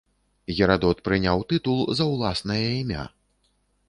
Герадот прыняў тытул за ўласнае імя.